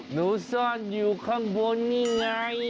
หนูซ่อนอยู่ข้างบนนี่ไง